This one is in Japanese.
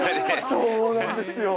そうなんですよ。